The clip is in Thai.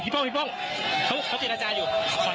พี่โป้งพี่โป้งเขาเขาติดอาจารย์อยู่